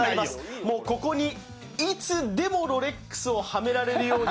もうここにいつでもロレックスをはめられるように